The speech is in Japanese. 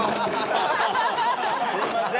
すみません。